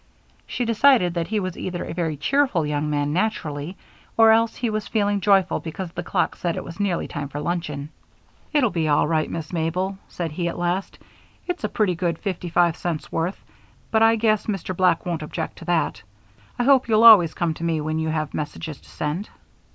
She decided that he was either a very cheerful young man naturally, or else he was feeling joyful because the clock said that it was nearly time for luncheon. "It'll be all right, Miss Mabel," said he at last. "It's a pretty good fifty five cents' worth; but I guess Mr. Black won't object to that. I hope you'll always come to me when you have messages to send."